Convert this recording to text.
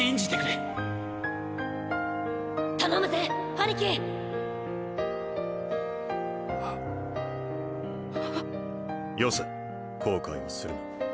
よせ後悔はするな。